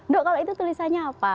dok kalau itu tulisannya apa